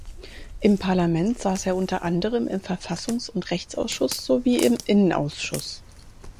Im Parlament saß er unter anderem im Verfassungs- und Rechtsausschuss sowie im Innenausschuss.